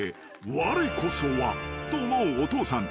［われこそはと思うお父さん］